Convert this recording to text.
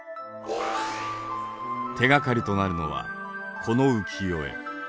手がかりとなるのはこの浮世絵。